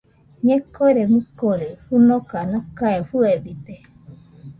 Ñekore mɨkori fɨnoka nokae fɨebite